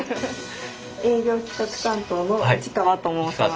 営業・企画担当の市川と申します。